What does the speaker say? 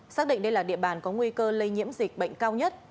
xác định đây là địa bàn có nguy cơ lây nhiễm dịch bệnh cao nhất